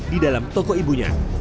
di dalam toko ibunya